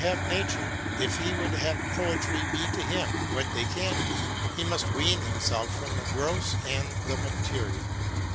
WORDSWORTH AS A TEACHER 121 nature, if he would have poetry be to him what they can be, he must wean himself from the gross and the material.